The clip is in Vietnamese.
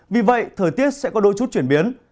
vì vậy thời tiết sẽ có đôi chút chuyển biến